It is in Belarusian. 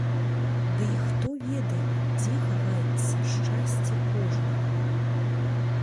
Дый хто ведае, дзе хаваецца шчасце кожнага?